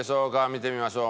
見てみましょう。